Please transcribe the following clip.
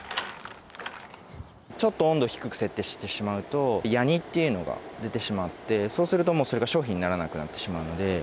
ちょっと温度を低く設定してしまうとヤニっていうのが出てしまってそうするともうそれが商品にならなくなってしまうので。